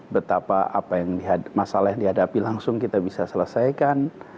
betapa masalah yang dihadapi langsung kita bisa selesaikan